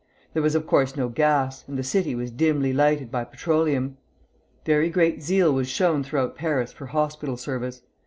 There was of course no gas, and the city was dimly lighted by petroleum. Very great zeal was shown throughout Paris for hospital service.